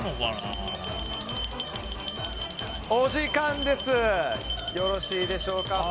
お時間です、よろしいでしょうか。